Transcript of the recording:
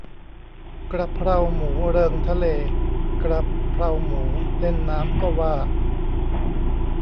กระเพราหมูเริงทะเล กระเพราหมูเล่นน้ำ ก็ว่า